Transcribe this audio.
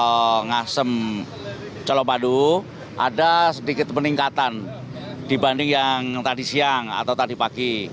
di ngasem colomadu ada sedikit peningkatan dibanding yang tadi siang atau tadi pagi